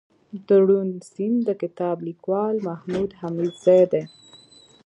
دروڼ سيند دکتاب ليکوال محمودحميدزى دئ